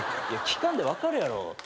いや聞かんで分かるやろ。